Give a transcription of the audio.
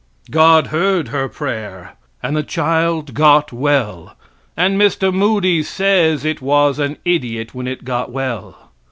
God heard her prayer, and the child got well; and Mr. Moody says it was an idiot when it got well.